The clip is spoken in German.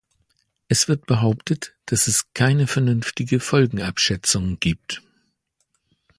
Es wird behauptet, dass es keine vernünftige Folgenabschätzung gibt.